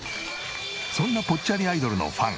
そんなぽっちゃりアイドルのファン